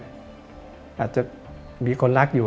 อาจจะมีคนรักอยู่